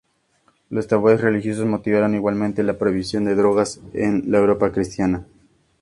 Los tabúes religiosos motivaron igualmente la prohibición de drogas en la Europa cristiana.